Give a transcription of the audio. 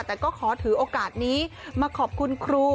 แต่ก็ขอถือโอกาสนี้มาขอบคุณครู